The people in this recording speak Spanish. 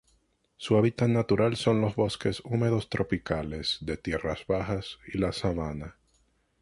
Su hábitat natural son los bosques húmedos tropicales de tierras bajas y la sabana.